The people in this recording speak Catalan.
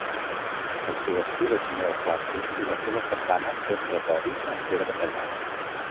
El seu estil és neoclàssic i la seva façana d'ordre dòric, en pedra tallada.